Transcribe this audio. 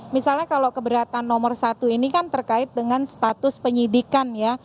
misalnya kalau keberatan nomor satu ini kan terkait dengan status penyidikan ya